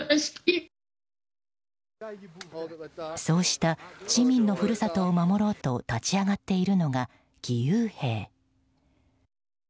そうした市民の故郷を守ろうと立ち上がっているのが、義勇兵。